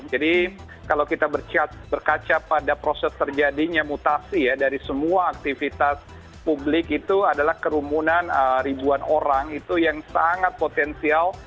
jadi kalau kita berkaca pada proses terjadinya mutasi ya dari semua aktivitas publik itu adalah kerumunan ribuan orang itu yang sangat potensial